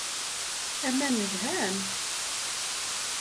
Aman lhan.